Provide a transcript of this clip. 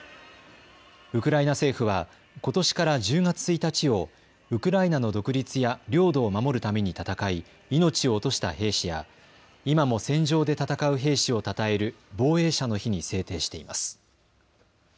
ウクライナ政府はことしから１０月１日をウクライナの独立や領土を守るために戦い命を落とした兵士や今も戦場で戦う兵士をたたえる防衛者の日に制定しています。